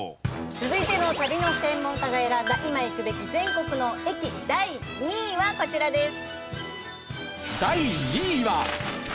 続いての旅の専門家が選んだ今行くべき全国の駅第２位はこちらです。